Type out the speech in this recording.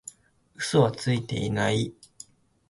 嘘はついてない